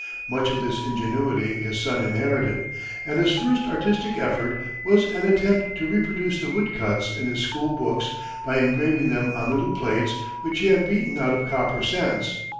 Much of this ingenuity his son inherited, and his first artistic effort was an attempt to reproduce the woodcuts in his school books by engraving them on little plates which he had beaten out of copper cents.